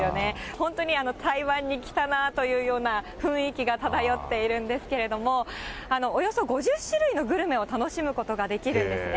本当に台湾に来たなというような雰囲気が漂っているんですけれども、およそ５０種類のグルメを楽しむことができるんですね。